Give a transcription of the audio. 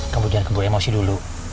kemudian keburu emosi dulu